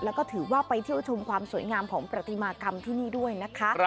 แล้วก็ถือว่าไปเที่ยวชมความสวยงามของประติมากรรมที่นี่ด้วยนะคะ